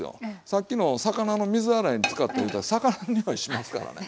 さっきのを魚の水洗いに使っていたら魚のにおいしますからね。